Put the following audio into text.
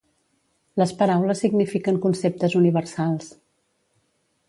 Les paraules signifiquen conceptes universals.